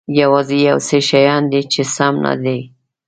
یوازې یو څه شیان دي چې سم نه دي.